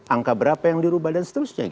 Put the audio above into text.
angka berapa yang dirubah dan seterusnya